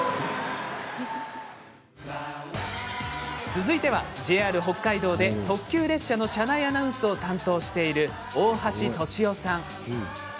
続いてはＪＲ北海道で特急列車の車内アナウンスを担当している大橋俊夫さん。